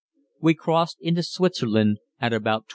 We crossed into Switzerland at about 12.